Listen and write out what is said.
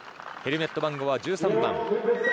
ヘルメット番号は１３番。